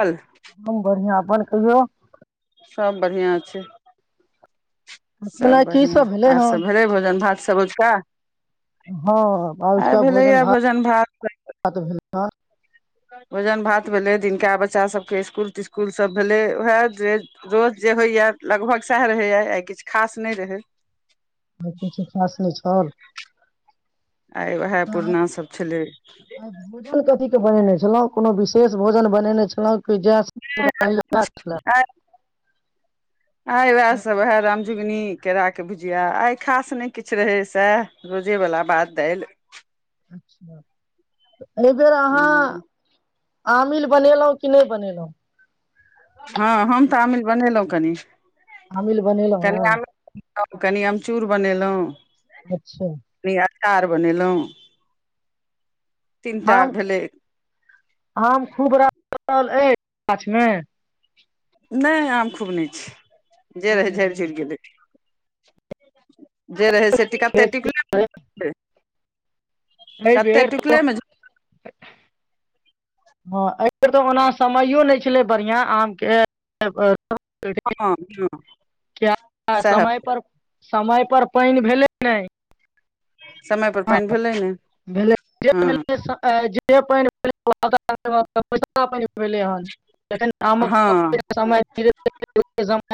अल मन कहियौ। सब बढ़ियाँ छै। सब खेनाइ की बढ़ियां भेलै आर हन सब भेले भोजन भात [unintelligible] का। हँ आजुका भोजन भात भात भेलई। हँ भोजन भात भेलै दिनका बच्चासभके इसकुल तिस्कुल सभ भेलै उएह जे रोज जे होइए लगभग सएह रहैए आइ। आई किछु खास नहि रहै। आई किछु खास नहि छल। आय उहाए आइ अपूर्णा सब छलै। [unintelligible] कुनो विशेष भोजन बनैने छलौ। पिज्जा [unintelligible] आय उहाए सब [unintelligible] जुगनी केरा के भुजिया, आय खास नै किछ रहै साएह रोजे बला भात, दाल। अच्छा। ए बेर अहाँ आमिल बनेलौ कि नै बनेलौ। हाँ हम ते आमिल बनेलौ कनि। आमिल बनेलौ ए। हम कनि अमचूर बनेलौ। अच्छा। चार बनेलौ। हम, हम खूब [unintelligible] गाछ मे। नै आम खूब नै छै। जे खूब रहै झेड़ नहि झुड़ गेलै। जे रहै से टि कते अछि टिकला [unintelligible] एहि कते बेर टिकले मे हाँ ए बेर तऽ ओना समयो नै छलै बढ़ियाँ आम के अ हाँ हाँ किया साहे समय पर समय पर पेएन भेलै नै। समय पर हाँ पानि भेलै ने भेले जे हँ भेले स अ जे [unintelligible] भेले हन, जखन आमक [unintelligible] हँ [unintelligible]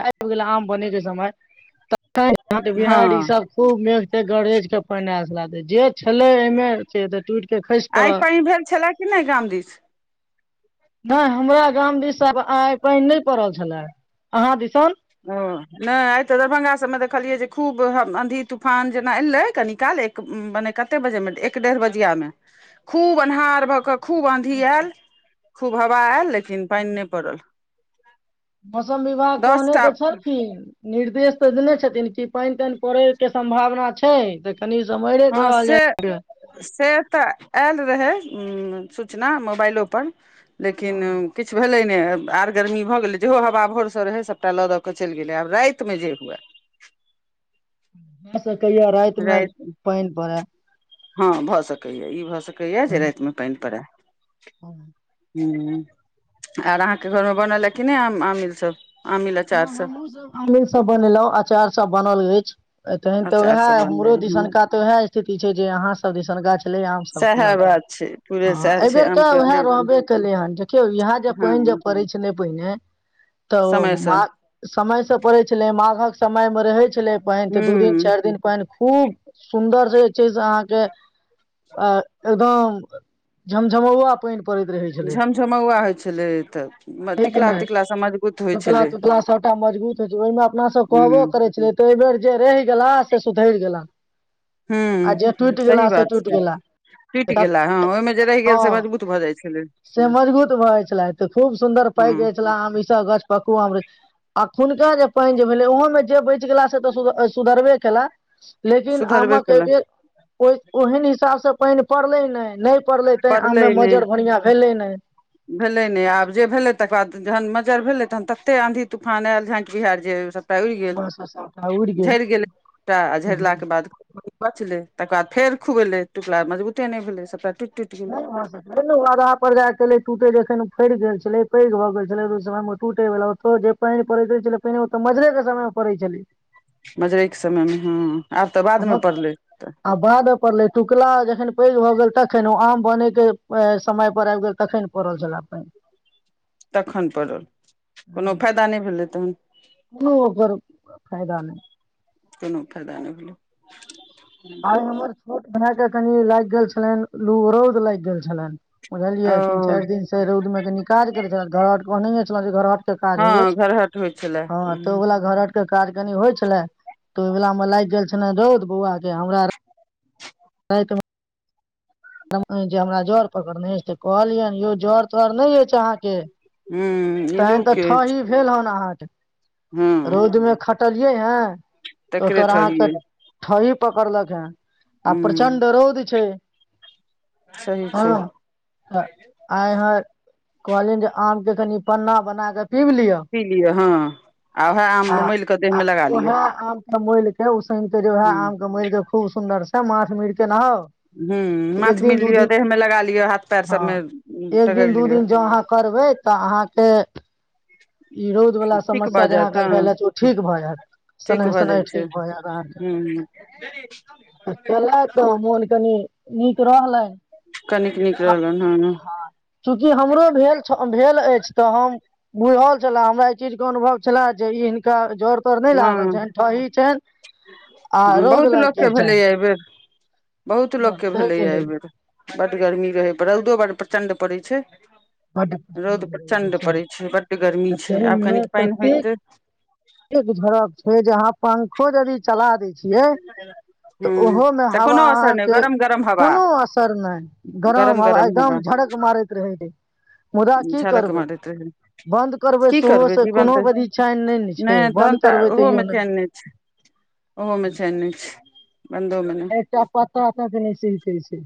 आब गेला आम बने के समय त [unintelligible] हँ बिहाएर ई सब खूब मेघ-तेघ गरेज के पेएन आएल ला दे जे छलै ए मे से ते टुट के खैस आइ पड़त। पानि भेल छलए कि नहि गाम दिस नै हमरा गाम दिस अब आय पेएन ने पड़ल छलै, अहाँ दिसन। ओ नै आय ते दरभंगा सब मे देखलियै जे खूब आँधी, तूफान जेना एलै कनि काल, एक मने कते बजे मे एक डेढ़ बजिया मे, खूब अन्हार भऽ के खूब आंधी आएल। खुब हवा आयले। फिन पेएन नै पड़ल। मौसम विभाग दस कोहने टा ते छलखिन। निर्देश तऽ देने छथिन कि पेएन-तेएन पड़े के सम्भावना छै, देख हाँ से से ते आएल रहै। ह्म्म सूचना मुबाएलो पर। लेकिन भए किछ भेलै नै, आर गर्मी भऽ गेलै जेहो हवा भोर से रहै सबटा लऽ दऽ के चैल गेलै आब राएत मे जे हुएआ। [unintelligible] ते कहिया राएत मे पेएन पड़ै। हाँ भऽ सकै या ई भऽ स कै या जे राएत मे पेएन पड़ै। हँ ह्म्म आर अहाँ के घर मे बनल ए कि नै आम आमिल सब। आमिल अचार हाँ हमु सब आमिल सब बनेलौ, अचार सब बनल एछ। अ तहन ते अचार उहाए सब बनलै हमरो हूँ दिसनका ते उहाए स्थिति छै जे अहाँ सब दिसनका छलै आम सबके सएह लऽ क, बात छै पूरे सएह हां छै एबेर आम ते के उहाए ओते रहबे केले हन, देखियौ इहाए जे हँ पेएन जे पड़ै छलै। पहिने तऽ ओ समयसँ मा समय से पड़ै छलै, माघक समय मे रहै छलै पेएन, ते दू दिन, हूँ चार दिन पेएन खूब सुन्दर से छै से अहाँ के झमझमौआ पानि पड़ैत रहै छलै झमझमौवा होय छलै तऽ म टिकला तिकला स मजबूत होय कतला तुतला सबटा मजबूत होय छै ओहि मे अपना सब कहबो हूँ करे छल त बेर जे रहि गेला। सुधरि गेल। [unintelligible] आ हूँ जे टुटि सही गेला से बात टुटि छै गेला टूटि गेला ओहिमे जे रहि गेल हँ से मजबूत भऽ जाइ छलै -से मजबूत भऽ जाइ छले तऽ खूब सुन्दर पाकि हँ जाइ छल आ ईसभ ग। क। [unintelligible] हुनका जे पेएन जे भेले उहो मे जेबै टिकला से तऽ सुध अ सुधरबे केला। लेकिन आम सुधरबे केलै के ओहन -हिसाब से। पानि पड़ले नहि। नहि पड़लै तै आममे मज्जर बढ़आ भेलै ने। भेलै नहि [unintelligible] आब जे भेलै तकर बाद जन मज भेलै तहन तते आँधी तूफान आयल झाँकि बिहार जे। टा उड़ि गेल बाँस सभटा उड़ि गेल झड़ि गेलैटा आ झड़लाक के बाद बचलै। तकर बाद फेर खुएेलै टकला मजबूते नहि भेलै सबटा ु। धा पर जा टूटे जे छै। फड़ि गेल छलै पैघ भऽ गेल छलै त ओहि समय मे टूटे वला ओ जे पानि पड़ैत छलै पहिने ओतऽ मजरे के समय मे पड़ैत छलै। मजुरै के समयमे हँ। आब तऽ बादमे ह पड़लै तऽ आ बादमे पड़लै टकला जखन। पैघ भऽ गेल तखन ओ आम बने के समय पर आबि गेल तखनि पड़ल छल पानि। तखन परल कोनो फायदा नहि भेलै तहन। कोनो ओकर फायदा नहि कोनो फायदा नहि भेले। आ हमर छोट भइ के। कनि लागि गेल छलनि लू रौद लागि गेल छलनि। बुझलियै तीन ओ चारि दिन से रौद मे के निकाज कर छ घर। छल जे घरर। क हँ होइ घरहट होइ छलै हँ तऽ ओ हूँ व घरर के काज कनि होइ छलै। [unintelligible] तऽ ओहि वलाा मे लागि गेल छल ने रौद बौआ। हमरा। त। [unintelligible] जे हमरा जर पकड़ने कहलियै यौ जर तर नहि। अहां के हूँ तहन त इल्लूके अछि ठहीं भेल होन अहां के। [unintelligible] हँ रौदमे ख। कटलियै है। [unintelligible] तकरे ओकर अहाँके ठहियै [unintelligible] ठहीं। पकड़लक हें। आ हूँ प्रचण्ड रौद छै। सही छै हां, त आइ हर कहलियनि जे आम के कनि पन्ना बना क' पी लिौ हँ आ उएह आम मलििकऽ देहमे लगा लियौ। मोलिक। [unintelligible] े वह आम के मर के खूब सुदर। मास मीर के नहााव। हुं उं। एक दिन दु दिन, हां, सबमे एक रगड़ि दिन दु लिअ दिन जं अहां करबै त अहांके इ रौद वला ठीक समस्या भऽ जे जायत अहांके हँ भेल अछि ओ ठीक भए जायत, ठीक सनैह भऽ जाइ सनैह छै ठीक भए जायत। अहांके हूँ क त मोन कनि नीक रहलनि, कनिक नीक रहलनि हँ हां चूँकि हमरो भेल छल, भेल अछि त हम बुझल छले, हमरा एहि चीज के अनुभव छले जे इ हिनका जर तर नहि लागल हँ छनि, ठही छनि आ हँ रौद बहुत लागि लोकके गेल भेलैए छनि। एहिबेर बहुत हँ, लोक ताहिके भेलैये लेल एहिबेर। बड गर्मी रहै, पर रौदो बर प्रचण्ड पड़ैत छै। रौद प्रचण्ड पड़ै छै, बड्ड आ गर्मी छै, आब ताहिमे कनिक पानि होयतै। इ झड़क छै जहां पंखो यदि चला दै छियै त हूँ ओहोमे तऽ हवा कोनो असर नहि अहांके गरम गरम हवा कोनो असर नै, गरम हवा एकदम झड़क मारैत रहै छै। मुदा कि झरक करबै, मारैत रहै बन्द करबै की सेहोसे जीवन कोनो तऽ घड़ी चैन नहि ने छै, तहन बन्द तऽ करबै ओहोमे तैओ नहि चैन छै ओहोमे चैन नै छै। बन्दो मे नहि एकटा पत्तो के नहि सिहकै छै।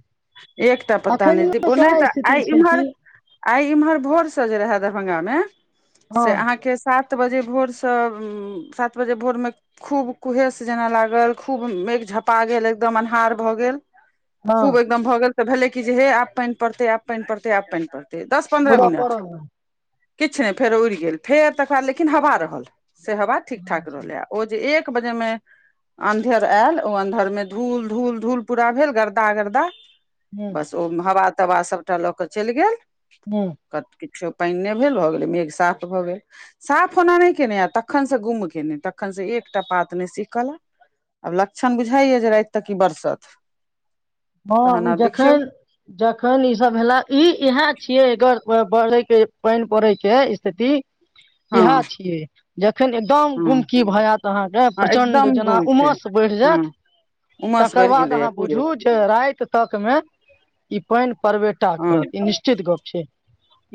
एकटा पत्ता नै, अखनियो नै सएह त स्थिति आइ छै कि इमहर, आइ एमहर भोरसे जे रहय दरभंगामे, हँ से अहांके सात बजे भोरसं उं सात बजे भोरमे खुब कुहेस जेना लागल, खुब मेघ झपा गेल, एकदम अन्हार भ गेल हां। एकबेर त भेलै कि जे हे आब पानि पड़तै, आब पानि पड़तै, आब पानि पड़तै। तैं दस पन्द्रह मुदा मिनट। पड़ल नै किछु नहि फेर उड़ि गेल, फेर तकर बाद लेकिन हवा रहल। से हवा ठीक ठाक रहलै, आ ओ जे एक एक बजे मे, अन्धेर आयल ओ अन्धर में धुल धुल धुल पुरा भेल, गरदा, गरदा। हुं बस ओ में हवा तबा सबटा लऽ कऽ चैल गेल। हुं कत की सेहो पेएन नै भेल भऽ गेलै मेघ साफ भऽ गेल, साफ ओना नै कयने आ तखन से गुम कयने, तखन से एकटा पात नै सिहकल ए, आब लक्षण बुझाए या जे राएत तक ई बरसत। हाँ तहन उ आब देखियौ जखन, जखन ई सब भेला ई इहाए छिये एकर व बढ़ै के, पेएन पड़ै के स्थिति इएह हँ छियै, जखन एकदम हँ गुमकी भ जायत अहांके, हँ प्रचंड एकदम जेना गुम छै उमस बढ़ि जायत, हँ उमस तकर बढ़ि बाद गेलैए अहां पूरे बुझु राति तकमे इ पानि पड़बे टा हाँ करत ई निश्चित गप छै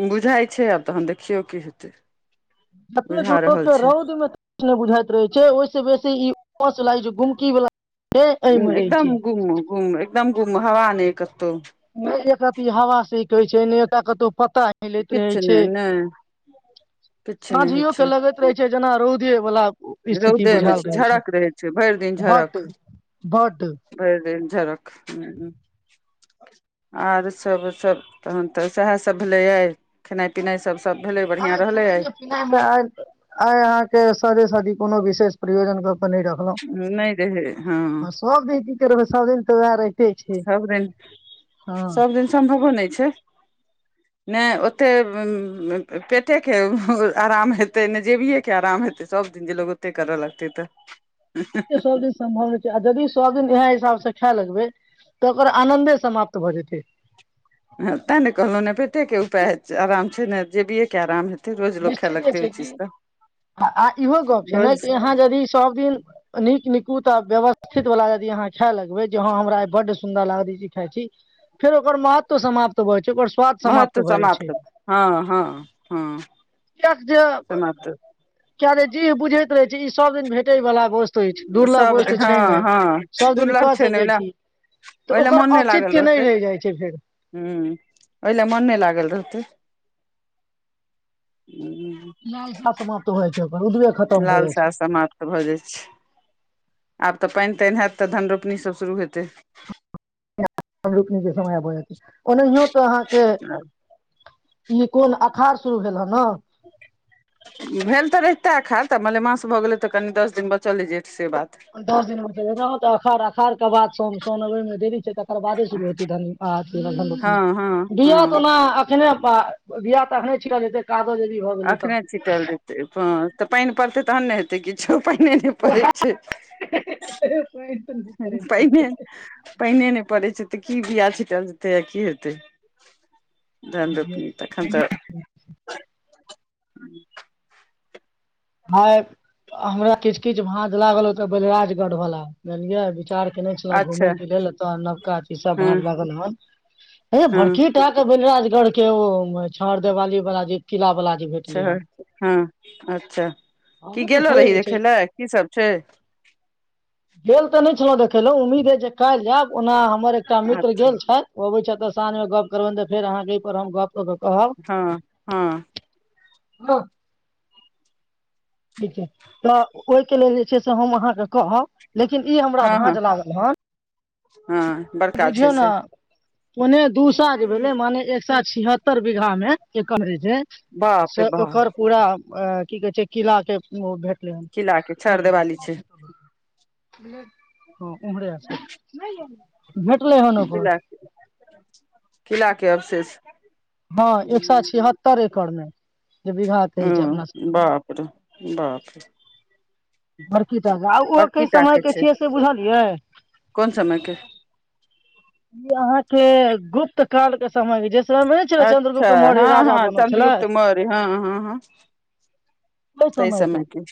बुझाय छै, आब तहन देखियौ की हेतै। [unintelligible] बुझा गेलौ रहल ते छै रौद मे ते कुछ नै बुझाय रहै छै, ओय से बेसी ई [unintelligible] लागै छै गुमकी वला उम्म एकदम गुम, गुम एकदम गुम हवा नहि कतहु नै एक रति हवा सिह के छै, नै एकटा कतौ पत्ता हिलैत रहै किछु छै, नहि नहि किछु नहि होइ साँझियो छै के लगैत रहै छै। जना रौदे बला रौदे मे छी, झरक रहै छै, भेर दिन बड झरक, बड भेर दिन झरक उम्म। आर सब सब तहन तऽ सहाए सब भेलै या खेनाय-पिनाय सब सब भेलै आय बढ़िआँ रहलै आइ खानेये पीनाय हय आय, आय अहाँ के सादे सादी कुनो विशेष प्रयोजन क [unintelligible] राखलो, नहि रहै हँ आ सब दिन की करबै सादे [unintelligible] सब दिन, सब दिन सम्भवो नै छै, नै ओते उम्म पेटे के आराम हेतै, नै जेबिये के आराम हेतै, सब दिन जे लोक ओते कराय लगतै ते। ए सब दिन सम्भव हय छै, आ जदि सब दिन इहाए हिसाब से खाय लगबै तऽ ओकर आनंदे समाप त भ जेते। हां ताय ने कहलौ ने पेटे के उपाय हय, अराम छै, नै जेबिये के अराम हे निश्चिते छै कि आ इहो गप्प छै ने रोज कि यहाँ जदि सब दिन नीक निकुत आ व्यवस्थित वला यदि अहाँ खाय लगबे, जे हां हमरा बड सुंदर लागत ई चीज खाय छी, फेर ओकर महत्व समाप्त भ महत्व समाप्त हाँ हाँ हाँ। किएक जे समाप्त। किया रे जीह बुझैत रहे छै ई सब दिन भेटे वला बोस सब हाँ हाँ सब दिन दुर्लभ कऽ छै ने ओय सकै ले, छी ओय तऽ ले ओकर मोन नै लागल औचित्य नहि रहतै, रहि जाइ छै फेर ह्म्म ओय ले मन नै लागल रहतै। हूँ, [unintelligible] सा समाप्त होय छो। लालसा समाप्त भऽ जाय छै। आब ते पेएन तेएन हाएत ते धन रोपनी सब शुरू हेतै। [unintelligible] धन रोपनी के समय आबे हेते। ओन्हियो तऽ अहाँ के ई कुन अखाड़ शुरू भेल ह ना। भेल ते रहता अखाल तऽ मलेमास भऽ गेले तऽ कनि दस दिन बचल जे दस दिन बचल रहल त अखाड़ अ खाड़ के बाद सोन, सोन अबे मे देरी छै, तकर बादे शुरू होतै धन आर [unintelligible] धन रोपनी, हँ हँ बिया हँ तो ओना एखने पा बिया ते एखने छिटल जेतै का अखने छीटल जेतै प तऽ पेएन पड़तै तहन ने हेतै किछो। पेएने नै पड़ै छै। पानि तऽ नहि हां करै छै पेएने, पेएने नै पड़ै छै। ते की बिया छीटल जेतै, अ की हेतै। धन रोपनी तखन ते [unintelligible] भाय हमरा किछ-किछ भाँज लागल ओता बलराज गढ़ वला जनलियै विचार केनै छलौ अच्छा घुमय के लेल, एता नवका ई सब हँ भाँज लागल हन, हे हँ बड़की टा के बेलराज गढ़ के ओ छर देवाली वाला जे किला वला छा हाँ अच्छा। की अहु तऽ गेलो रही पैघ छै देखे ले की सब छै। गेल ते नै छलौ देखैले उम्मीद ए जे काएल जाएब, ओना हमर एकटा मित्र अच्छा गेल छै ओ अबै छै ओता सांझ मे गप करबैन त फेर अहाँ के एपर हम ग हाँ-हाँ। हाँ। ठीक छै, तऽ ओय के लेल जे छै से हम अहाँ के कहब। लेकिन ई हमरा भाँज लागल हन। हाँ बड़का छै से। ओने दूसा जेबे ने माने एक सा छिहत्तर बीघा मे के कवरेज जे बाप से रे बाह ओकर पूरा अ की कहे छै किला के ओ भेट किला के छर देवाली छै [unintelligible] [unintelligible] हाँ उम्हरे आसा नै यौ। ह्म्म। किला, किला के अवशेष। हाँ एक सा छिहत्तर एक करनाय। औ बाप रे बाप रे। बड़की टा के, आ ओय बड़की कै टा समय के छै छियै से बुझलियै। कोन समय के। ई अहाँ के गुप्तकाल के समय के जे समय मे नहि छलै अच्छा चंन्द्रगुप्त मौर्य हाँ राजा हाँ बनल छलथि चन्द्रगुप्त मौर्य हाँ हाँ हाँ तेय समय के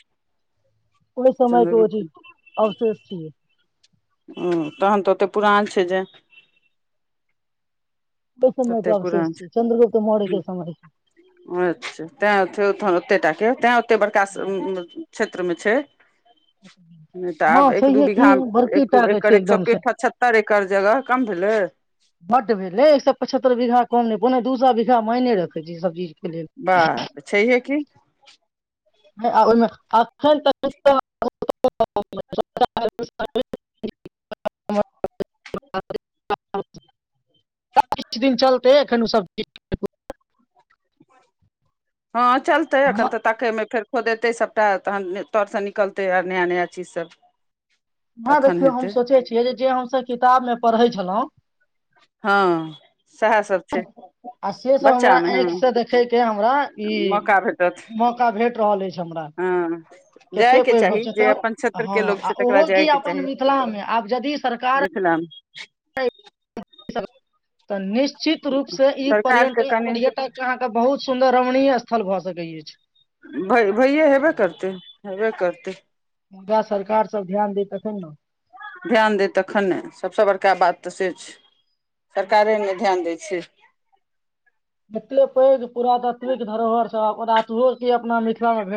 ओहि समय के ओ चन्द्रगुप्त चीज अवशेष छियै ओ तहन ते ओते पुरान छै जे ओहि समय कते के अवशेष पुरान छै, छियै चंन्द्रगुप्त मौर्य के समय के ह्म्म अच्छा ताय [unintelligible] ते टाके ताए ओ ते बड़का से उम्म उम्म क्षे त्र मे छै। नै ते आब हँ एक-दू छैहे बीघा, की बड़की एक टा के एकड़ छै एक सौ एकदम से पचहत्तर एकड़ जगह कम भेले। बड भेले एक सौ पचहत्तर बीघा कम नै, पौने दू सौ बीघा मायने रखै छै ई सब चीज के लेल बाप छैहिये की। आ ओय मे एखन तऽ [unintelligible] किछ दिन चलतै एखन उ सब चीज। हाँ चलतै हम एखन तऽ ताके मे फेर खोदेतै सबटा तहन तर से निकलतै आर नया नया चीज सब। ह तखन देखियौ हेतै हम सोचे छियै जे जे हमस किताब मे पढ़े हेलो हँ सएह सब छै आ से सब बच्चा हमरा मे ऐंख हँ से देखे के हमरा ई मौका भेटत मौका भेट रहल ए। हमरा हँ केते जायके पैघ गप्प चाही छै जे एता अपन क्षेत्र के हाँ लोक आ छै तकरा ओहो की जायके चाही अपन मिथला मे आब जदि सरकार मिथिला मे [unintelligible] तऽ निस उचित रूप से इ सरकार के पर्यटक कनि पर्यटक अहाँ के बहुत सुन्दर रमणीय हल भऽ सकै अछि भय भैयए हेबे करते। हेबे करतै। मुदा सरकार सब ध्यान देै तखन ने ध्यान दै तखनने सभसँ बड़का बात तऽ से छैय। सरकारे नै ध्यान दे [unintelligible] एतक पैघ पुरातात्विक धरोहर त कि अपना मिथिला मे